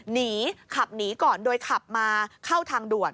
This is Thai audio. หนีขับหนีก่อนโดยขับมาเข้าทางด่วน